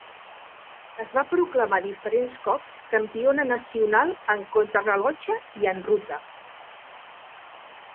Es va proclamar diferents cops campiona nacional en contrarellotge i en ruta.